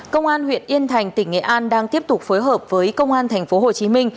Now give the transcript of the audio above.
công an huyện yên thành tỉnh nghệ an đang tiếp tục phối hợp với công an tp hcm